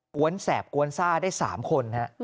วนแสบกวนซ่าได้๓คน